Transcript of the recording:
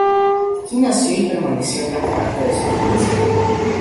Aquí nació y permaneció gran parte de su infancia.